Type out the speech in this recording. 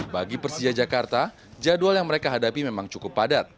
bagi persija jakarta jadwal yang mereka hadapi memang cukup padat